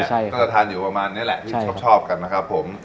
ก็จะทานอยู่ประมาณนี้แหละที่ชอบกันนะครับผม